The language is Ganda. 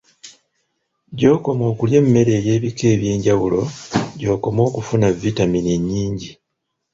Gy'okoma okulya emmere ey'ebika eby'enjawulo gy'okoma okufuna vitamiini ennyingi